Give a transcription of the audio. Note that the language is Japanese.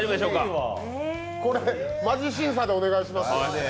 これ、マジ審査でお願いします。